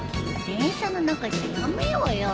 電車の中ではやめようよ。